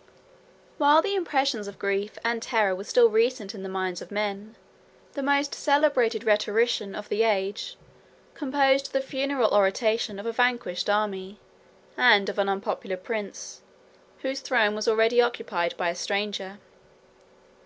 ] While the impressions of grief and terror were still recent in the minds of men, the most celebrated rhetorician of the age composed the funeral oration of a vanquished army, and of an unpopular prince, whose throne was already occupied by a stranger.